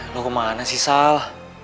lo kemana sih sal